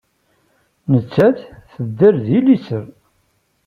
Nettat tedder deg liser.